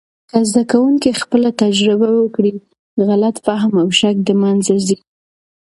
که زده کوونکي خپله تجربه وکړي، غلط فهم او شک د منځه ځي.